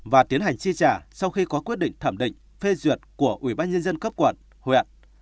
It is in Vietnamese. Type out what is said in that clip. và tiến hành chi trả sau khi có quyết định thẩm định phê duyệt của ubnd cấp quận huyện